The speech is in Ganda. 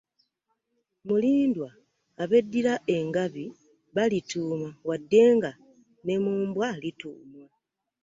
Mulindwa abeddira engabi balituumwa wadde nga ne mu mbwa lituumwa.